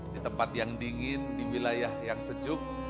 di tempat yang dingin di wilayah yang sejuk